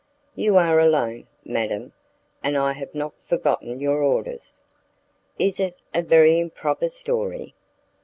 "You are alone, madam, and I have not forgotten your orders." "Is it a very improper story?"